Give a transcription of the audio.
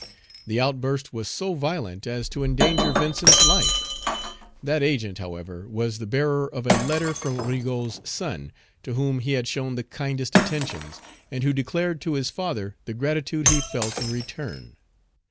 The outburst was so violent as to endanger Vincent's life. That Agent, however, was the bearer of a letter from Rigaud's son, to whom he had shown the kindest attentions, and who declared to his father the gratitude he felt in return.